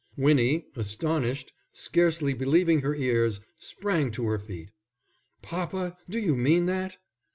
Winnie, astonished, scarcely believing her ears, sprang to her feet. "Papa, do you mean that?"